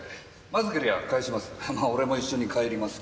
まずけりゃ帰します。